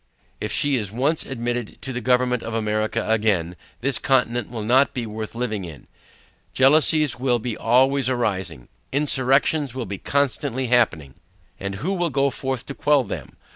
If she is once admitted to the government of America again, this Continent will not be worth living in. Jealousies will be always arising; insurrections will be constantly happening; and who will go forth to quell them?